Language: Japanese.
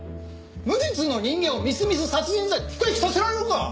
無実の人間をみすみす殺人罪で服役させられるか！